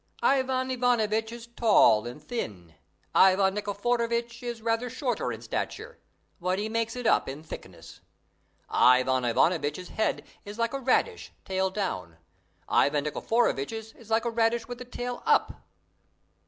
Ivan Ivanovitch is tall and thin: Ivan Nikiforovitch is rather shorter in stature, but he makes it up in thickness. Ivan Ivanovitch's head is like a radish, tail down; Ivan Nikiforovitch's like a radish with the tail up.